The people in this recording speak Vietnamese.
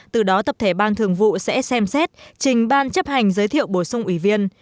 từ đó tập thể ban thường vụ sẽ xem xét trình ban chấp hành giới thiệu bổ sung ủy viên